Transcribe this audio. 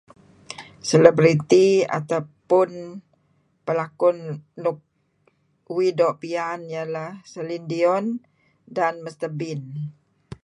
Celebity atau pun pelakun luk uih doo' piyan ialah Celine Dion dan Mr Bean.